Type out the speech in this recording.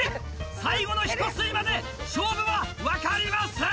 最後のひと吸いまで勝負は分かりません！